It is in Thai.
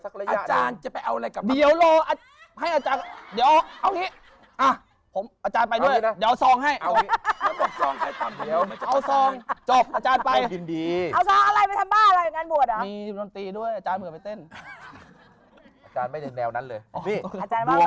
ะจารย์จะไปเอาอะไรกันเดี๋ยวละอัจจารย์ขอพอโส้งให้